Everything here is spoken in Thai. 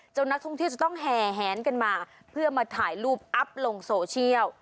นักท่องเที่ยวจะต้องแห่แหนกันมาเพื่อมาถ่ายรูปอัพลงโซเชียล